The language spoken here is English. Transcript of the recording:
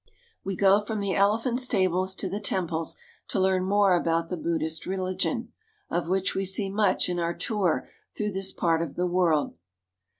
We go from the elephant stables to the temples to learn more about the Buddhist religion, of which we see much in our tour through this part of the world.